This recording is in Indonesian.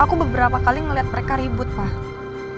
aku beberapa kali melihat mereka ribut pak